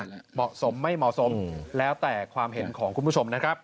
เหมาะสมไม่เหมาะสมแล้วแต่ความเห็นของคุณผู้ชมนะครับ